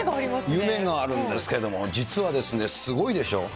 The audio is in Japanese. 夢があるんですけれども、実は、すごいでしょう。